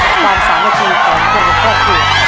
ความสามารถกรีบก่อนกันกับครอบครัว